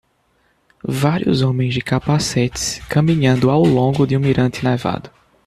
Vários homens de capacetes caminhando ao longo de um mirante nevado.